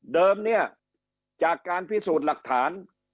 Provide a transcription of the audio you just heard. เนี่ยจากการพิสูจน์หลักฐาน